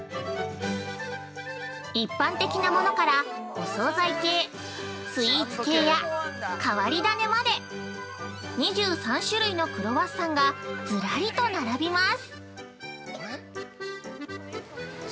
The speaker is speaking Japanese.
一般的なものから、お総菜系、スイーツ系や変わり種まで、２３種類のクロワッサンがずらりと並びます。